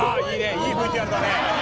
いいＶＴＲだね」